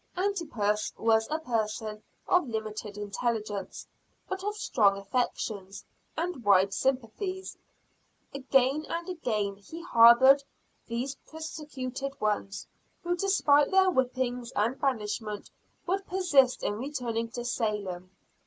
Antipas was a person of limited intelligence, but of strong affections and wide sympathies. Again and again, he harbored these persecuted ones, who despite their whippings and banishment would persist in returning to Salem.